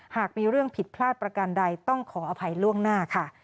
หากมีเรื่องผิดพลาดประกันใดต้องขออภัยล่วงหน้าค่ะ